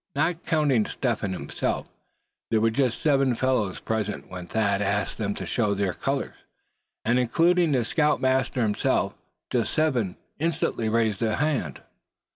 Not counting Step Hen himself, there were just seven fellows present when Thad asked them to show their colors. And including the scoutmaster himself, just seven instantly raised a hand.